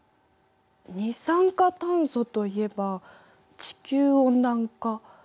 二酸化炭素といえば地球温暖化。